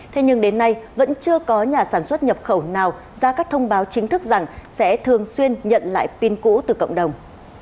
thế nhưng đến nay vẫn chưa có nhà sản xuất nhập khẩu nào ra các thông báo chính thức rằng sẽ thường xuyên nhận lại pin cũ từ cộng đồng